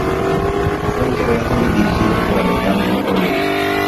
Fue creado y dirigido por Alejandro Doria.